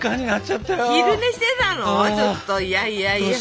ちょっといやいやいや。